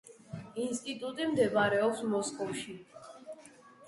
ინსტიტუტი მდებარეობს მოსკოვში.